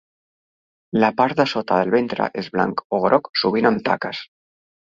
La part de sota del ventre és blanc o groc sovint amb taques.